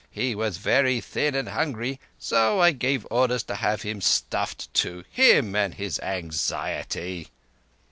He was very thin and hungry, so I gave orders to have him stuffed too—him and his anxiety!"